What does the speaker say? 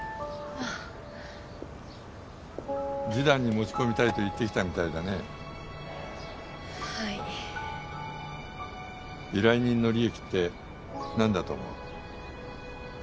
あッ示談に持ち込みたいと言ってきたみたいだねはい依頼人の利益って何だと思う？